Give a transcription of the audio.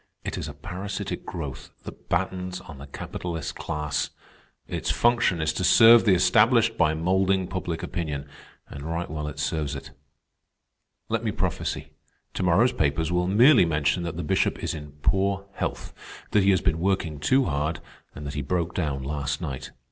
It is a parasitic growth that battens on the capitalist class. Its function is to serve the established by moulding public opinion, and right well it serves it. "Let me prophesy. To morrow's papers will merely mention that the Bishop is in poor health, that he has been working too hard, and that he broke down last night.